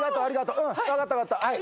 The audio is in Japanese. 分かった分かった。